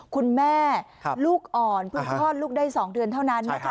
คุณแม่ลูกอ่อนเพิ่งคลอดลูกได้๒เดือนเท่านั้นนะคะ